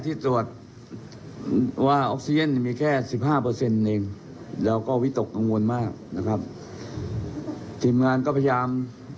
ทีมงานก็พยายาม